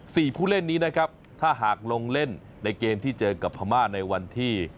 ผู้เล่นนี้นะครับถ้าหากลงเล่นในเกมที่เจอกับพม่าในวันที่